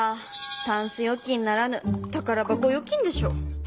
タンス預金ならぬ宝箱預金でしょう。